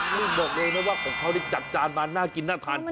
บอกเลยว่าของเขาได้จัดจานมาน่ากินน่าทานจริง